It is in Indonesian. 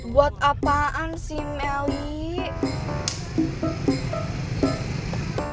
buat apaan sih melly